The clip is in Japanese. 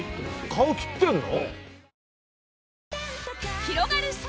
顔切ってるの！？